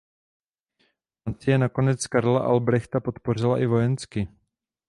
Francie nakonec Karla Albrechta podpořila i vojensky.